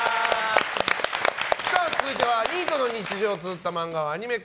続いてはニートの日常をつづった漫画をアニメ化。